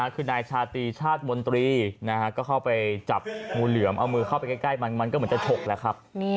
คือนายชาตรีชาติมนตรีก็เข้าไปจับงูเหลือมเอามือเข้าไปใกล้มันมันก็เหมือนจะฉกแหละครับ